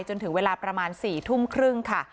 จนถึงเวลาประมาณ๔ทุ่มครึ่งค่ะ